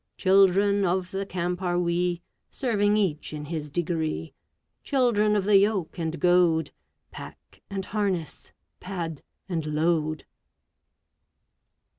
Children of the Camp are we, Serving each in his degree; Children of the yoke and goad, Pack and harness, pad and load!